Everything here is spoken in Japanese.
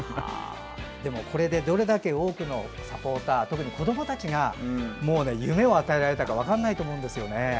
でも、これでどれだけ多くのサポーターが特に、子どもたちが夢を与えられたか分からないと思うんですよね。